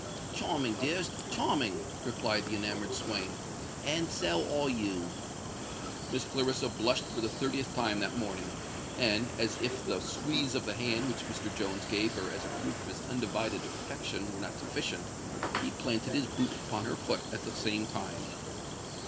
"Charming, dearest—charming!" replied the enamoured swain; "and so are you." Miss Clarissa blushed for the thirtieth time that morning; and, as if the squeeze of the hand which Mr. Jones gave her as a proof of his undivided affection were not sufficient, he planted his boot upon her foot at the same time.